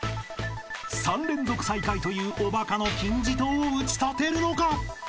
［３連続最下位というおバカの金字塔を打ち立てるのか？］